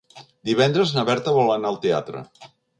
Divendres na Berta vol anar al teatre.